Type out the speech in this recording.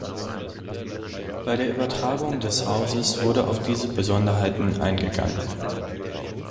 Bei der Übertragung des Hauses wurde auf diese Besonderheiten eingegangen.